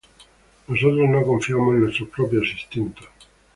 Nosotros no confiamos en nuestros propios instintos.